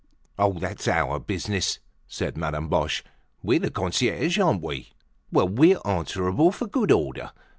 "Oh, that's our business," said Madame Boche. "We're the concierges, aren't we? Well, we're answerable for good order.